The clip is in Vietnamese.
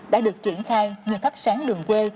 đã được triển khai như thắt sáng đường quê